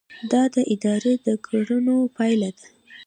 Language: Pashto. دا د ادارې د کړنو پایله ده.